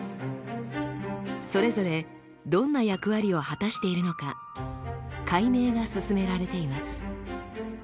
それぞれどんな役割を果たしているのか解明が進められています。